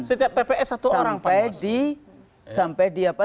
setiap tps satu orang panwaslu